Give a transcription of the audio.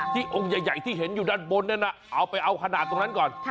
องค์ใหญ่ที่เห็นอยู่ด้านบนนั้นเอาไปเอาขนาดตรงนั้นก่อน